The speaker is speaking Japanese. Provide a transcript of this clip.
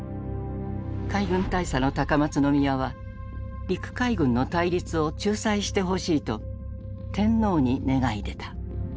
海軍大佐の高松宮は陸海軍の対立を仲裁してほしいと天皇に願い出た。